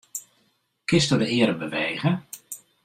Kinsto de earm bewege?